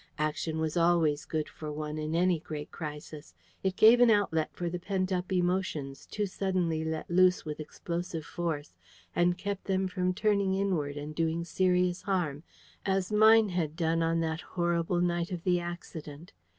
Action was always good for one in any great crisis. It gave an outlet for the pent up emotions, too suddenly let loose with explosive force, and kept them from turning inward and doing serious harm, as mine had done on that horrible night of the accident.